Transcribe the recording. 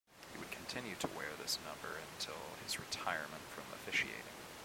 He would continue to wear this number until his retirement from officiating.